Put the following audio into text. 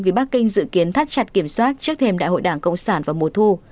vì bắc kinh dự kiến thắt chặt kiểm soát trước thềm đại hội đảng cộng sản vào mùa thu